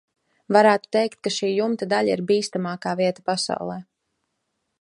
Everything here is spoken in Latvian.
Varētu teikt, ka šī jumta daļa ir bīstamākā vieta pasaulē.